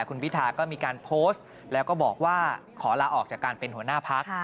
คุณพิธาก็มีการโพสต์แล้วก็บอกว่าขอลาออกจากการเป็นหัวหน้าพัก